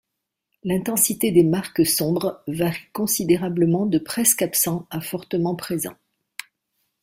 L'intensité des marques sombres varie considérablement de presque absent à fortement présent.